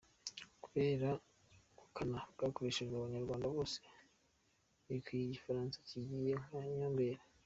Kubera ubukana bwakoreshejwe abanyarwanda bose bibwiyeko igifaransa kigiye nka nyomberi.